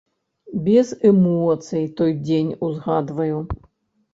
Без эмоцый той дзень узгадваю.